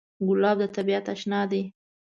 ګلاب د طبیعت اشنا دی.